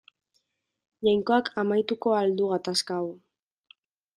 Jainkoak amaituko al du gatazka hau.